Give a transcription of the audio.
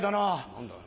何だよ。